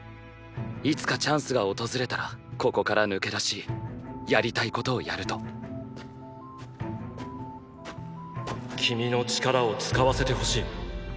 いつかチャンスが訪れたらここから抜け出しやりたいことをやると君の力を使わせてほしい。